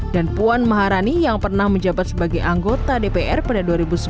dan puan maharani yang pernah menjabat sebagai anggota dpr pada dua ribu sembilan